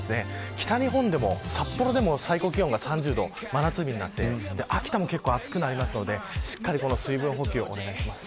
北日本でも札幌でも最高気温が３０度真夏日になって、秋田も結構暑くなりますのでしっかり水分補給をお願いします。